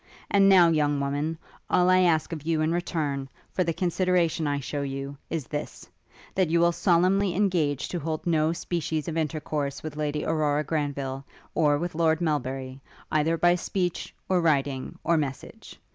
And now, young woman, all I ask of you in return for the consideration I shew you, is this; that you will solemnly engage to hold no species of intercourse with Lady Aurora Granville, or with Lord Melbury, either by speech, or writing, or message.